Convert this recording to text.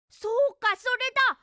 そうかそれだ！